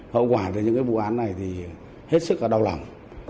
hậu quả từ những vụ án này thì hết sức đau lòng